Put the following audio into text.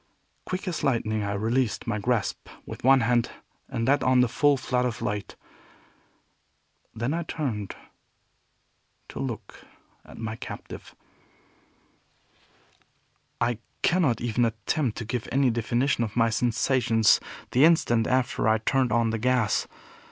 Quick as lightning I released my grasp with one hand and let on the full flood of light. Then I turned to look at my captive. I cannot even attempt to give any definition of my sensations the instant after I turned on the gas.